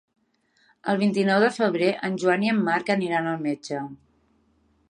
El vint-i-nou de febrer en Joan i en Marc aniran al metge.